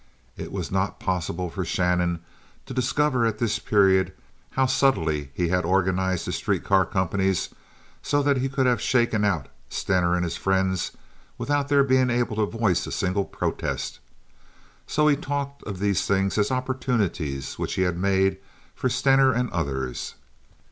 (It was not possible for Shannon to discover at this period how subtly he had organized his street car companies so that he could have "shaken out" Stener and his friends without their being able to voice a single protest, so he talked of these things as opportunities which he had made for Stener and others.